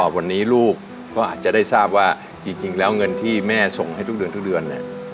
วันนี้ลูกก็อาจจะได้ทราบว่าจริงแล้วเงินที่แม่ส่งให้ทุกเดือน